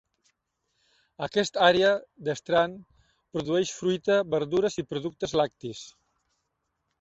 Aquesta àrea de Strand produeix fruita, verdures i productes lactis.